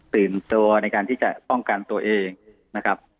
ตื่นตัวในการที่จะป้องกันตัวเองนะครับ